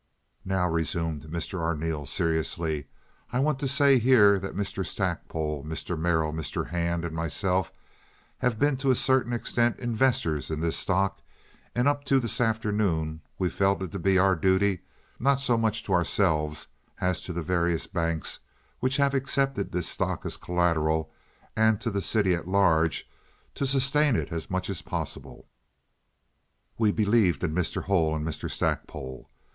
"Now," resumed Mr. Arneel, seriously, "I want to say here that Mr. Stackpole, Mr. Merrill, Mr. Hand, and myself have been to a certain extent investors in this stock, and up to this afternoon we felt it to be our duty, not so much to ourselves as to the various banks which have accepted this stock as collateral and to the city at large, to sustain it as much as possible. We believed in Mr. Hull and Mr. Stackpole.